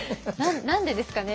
何でですかね？